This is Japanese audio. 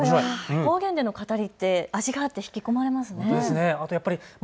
方言での語りって味があって引き込まれますね。